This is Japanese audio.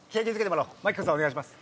お願いします。